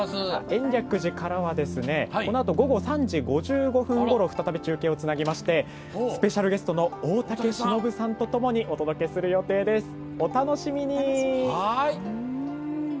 延暦寺からはこのあと午後３時５５分ごろ再び中継をつなぎましてスペシャルゲストの大竹しのぶさんとともにお届けする予定です、お楽しみに。